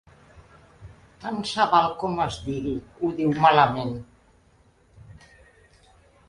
Tant se val com es digui, ho diu malament.